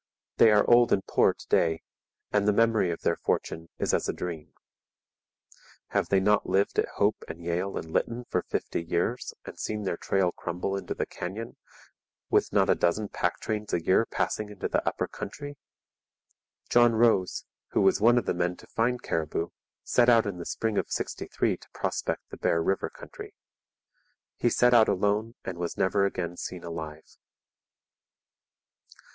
They are old and poor to day, and the memory of their fortune is as a dream. Have they not lived at Hope and Yale and Lytton for fifty years and seen their trail crumble into the canyon, with not a dozen pack trains a year passing to the Upper country? John Rose, who was one of the men to find Cariboo, set out in the spring of '63 to prospect the Bear River country. He set out alone and was never again seen alive.